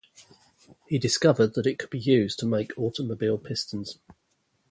He discovered that it could be used to make automobile pistons.